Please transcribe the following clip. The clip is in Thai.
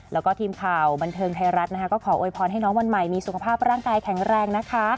แล้วก็ทีมข่าวบันเทิงไทยรัฐนะคะก็ขอโวยพรให้น้องวันใหม่มีสุขภาพร่างกายแข็งแรงนะคะ